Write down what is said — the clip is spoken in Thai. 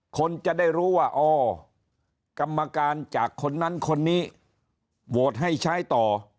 คนจะได้รู้ว่าอ๋อกรรมการจากคนนั้นคนนี้โหวตให้ใช้ต่อ